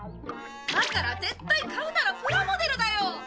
だから絶対買うならプラモデルだよ！